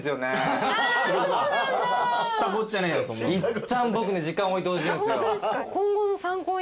いったん僕ね時間置いてほしいんですよ。